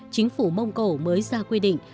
chính phủ mông cổ mới ra quy định